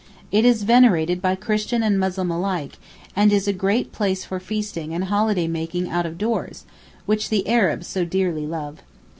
It is venerated by Christian and Muslim alike, and is a great place for feasting and holiday making out of doors, which the Arabs so dearly love.